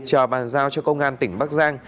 chờ bàn giao cho công an tỉnh bắc giang